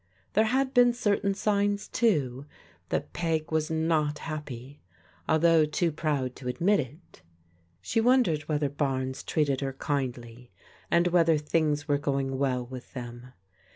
There had been certain signs, too, that Peg was not happy, although too proud to admit it. She won dered whether Barnes treated her kindly, and whether things were going well with them.